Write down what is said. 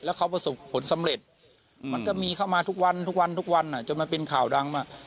แล้วเขาประสบผลสำเร็จมันก็มีเข้ามาทุกวันทุกวันทุกวันจนมันเป็นข่าวดังมา